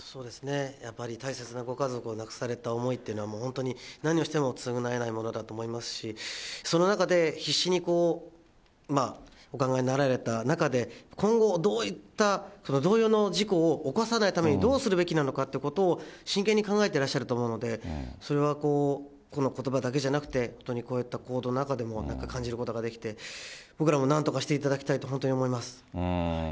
やっぱり大切なご家族を亡くされた思いというのは、本当に何をしても償えないものだと思いますし、その中で、必死にお考えになられた中で、今後、どういった、同様の事故を起こさないためにどうするべきなのかということを真剣に考えてらっしゃると思うので、それはこのことばだけじゃなくて、乗り越えたこういう行動の中でも、なんか感じることができて、僕らもなんとかしていただきたいと、本当に思います。